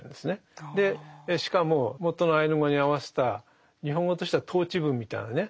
でしかも元のアイヌ語に合わせた日本語としては倒置文みたいなね